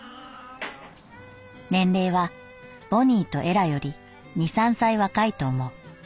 「年齢はボニーとエラより二三歳若いと思う」。